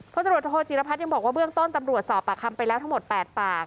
ตรวจโทจิรพัฒน์ยังบอกว่าเบื้องต้นตำรวจสอบปากคำไปแล้วทั้งหมด๘ปาก